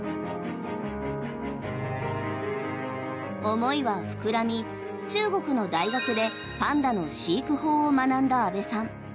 思いは膨らみ、中国の大学でパンダの飼育法を学んだ阿部さん。